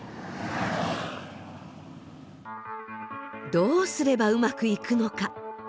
どうすればうまくいくのか？